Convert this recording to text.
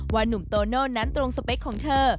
หนุ่มโตโน่นั้นตรงสเปคของเธอ